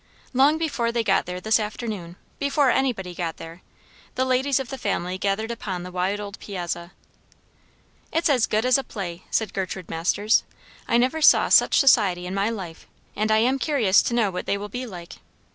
Long before they got there this afternoon, before anybody got there, the ladies of the family gathered upon the wide old piazza. "It's as a good as a play," said Gertrude Masters. "I never saw such society in my life, and I am curious to know what they will be like."